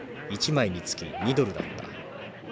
１枚につき２ドルだった。